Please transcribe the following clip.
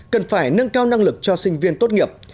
cần phải nâng cao năng lực cho sinh viên tốt nghiệp